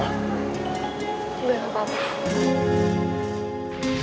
udah gak apa apa